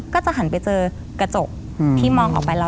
ก็จะหันไปเจอกระจกที่มองออกไปแล้ว